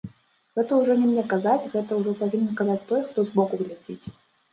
Гэта ўжо не мне казаць, гэта ўжо павінен казаць той, хто збоку глядзіць.